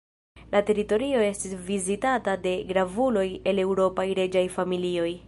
La teritorio estis vizitata de gravuloj el eŭropaj reĝaj familioj.